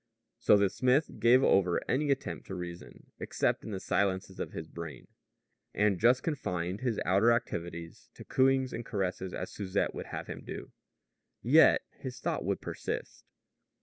So the smith gave over any attempt to reason, except in the silences of his brain; and just confined his outer activities to cooings and caresses, as Susette would have him do. Yet his thought would persist.